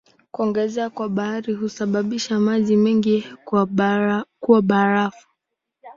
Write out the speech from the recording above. Kuongezeka kwa baridi husababisha maji mengi kuwa barafu.